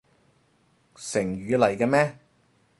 成語嚟嘅咩？